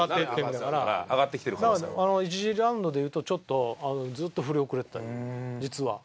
１次ラウンドで言うとずっと振り遅れてた実は。